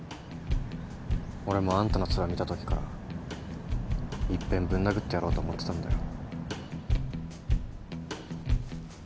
俺もあんたのツラ見たときから一遍ぶん殴ってやろうと思ってたんだよ。